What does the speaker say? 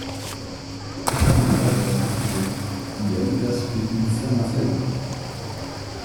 Mi ne parolas pri tio: mi aludas pri inflama febro.